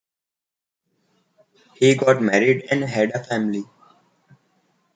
He got married and had a family.